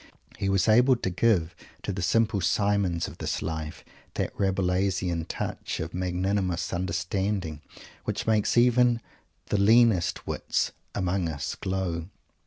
He was able to give to the Simple Simons of this life that Rabelaisian touch of magnanimous understanding which makes even the leanest wits among us glow.